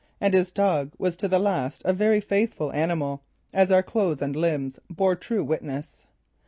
And his dog was to the last a very faithful animal, as our clothes and limbs bore true witness.